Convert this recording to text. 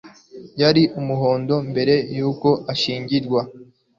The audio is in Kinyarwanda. Yari Umuhondo mbere yuko ashyingirwa.